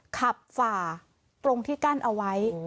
ฝ่าตรงที่กั้นเอาไว้